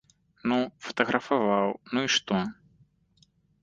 Ну фатаграфаваў, ну і што?